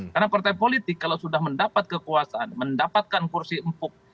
karena partai politik kalau sudah mendapat kekuasaan mendapatkan kursi empuk